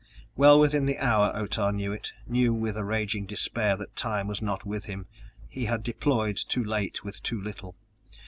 Well within the hour Otah knew it, knew with a raging despair that time was not with him, he had deployed too late with too little.